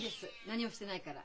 何もしてないから。